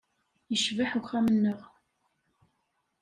Yecbeḥ uxxam-nneɣ.